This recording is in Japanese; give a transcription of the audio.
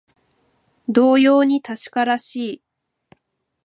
同様に確からしい